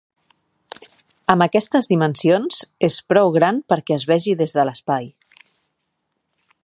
Amb aquestes dimensions, és prou gran perquè es vegi des de l'espai.